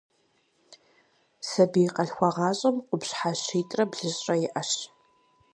Сабий къалъхуагъащӏэм къупщхьэ щитӏрэ блыщӏрэ иӏэщ.